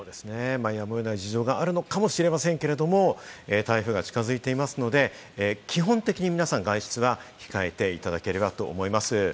やむを得ない事情があるかもしれませんけれども、台風が近づいていますので、基本的に皆さん外出は控えていただければと思います。